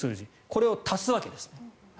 これを足すわけです。